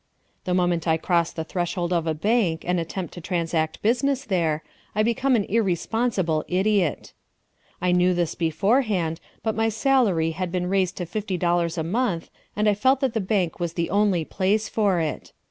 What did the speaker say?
The moment I cross the threshold of a bank and attempt to transact business there, I become an irresponsible idiot. I knew this beforehand, but my salary had been raised to fifty dollars a month and I felt that the bank was the only place for it.